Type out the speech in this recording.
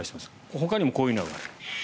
ほかにもこういうのがある。